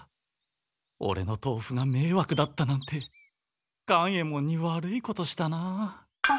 オレのとうふがめいわくだったなんて勘右衛門に悪いことしたなあ。